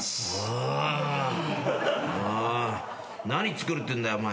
何作るってんだよお前。